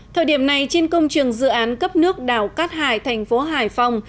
thời điểm này trên công trường dự án cấp nước đảo cát hải thành phố hải phòng